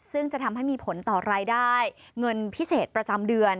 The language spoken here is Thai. ซึ่งจะทำให้มีผลต่อรายได้เงินพิเศษประจำเดือน